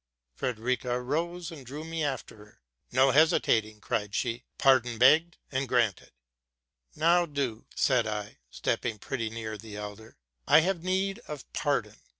Frederica arose, and drew me after her. '+ No hesitating !'' cried she: '' let pardon be begged and grant ed!''? —'* Well, then,"' said I, stepping pretty near the elder, '*T have need of pardon.